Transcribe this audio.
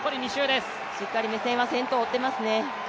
しっかり目線は先頭追ってますね。